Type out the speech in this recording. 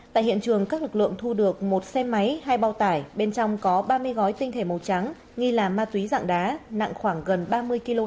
tại hiện trường các lực lượng thu được một xe máy hai bao tải bên trong có ba mươi gói tinh thể màu trắng nghi là ma túy dạng đá nặng khoảng gần ba mươi kg